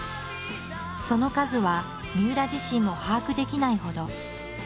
その数はみうら自身も把握できないほど。